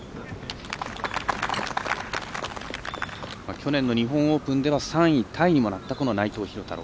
去年の日本オープンでは３位タイになったこの内藤寛太郎。